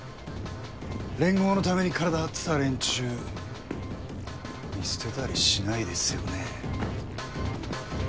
連合のために体張ってた連中見捨てたりしないですよね。